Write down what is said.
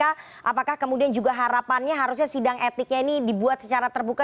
apakah kemudian juga harapannya harusnya sidang etiknya ini dibuat secara terbuka